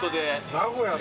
名古屋で？